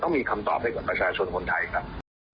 มีคำตอบให้กับประชาชนคนไทยครับ